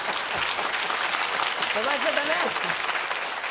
飛ばしちゃだめ。